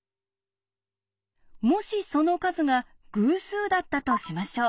もしその数が偶数だったとしましょう。